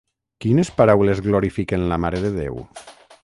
Quines paraules glorifiquen la Mare de Déu?